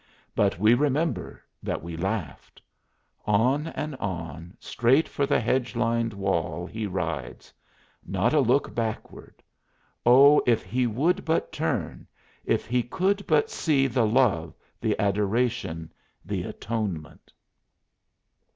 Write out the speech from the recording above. But we remember that we laughed! On and on, straight for the hedge lined wall, he rides. Not a look backward. O, if he would but turn if he could but see the love, the adoration, the atonement!